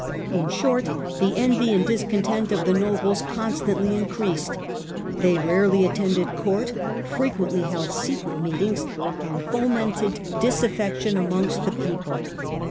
In short the envy and discontent of the nobles constantly increased. They rarely attended court, frequently held secret meetings, and fomented disafiection amongst the people.